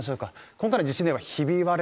今回の地震ではひび割れ